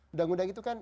undang undang itu kan